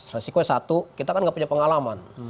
resiko satu kita kan gak punya pengalaman